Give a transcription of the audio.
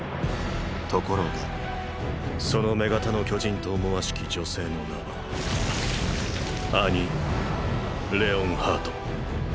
ところがその女型の巨人と思わしき女性の名はアニ・レオンハート。